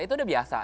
itu udah biasa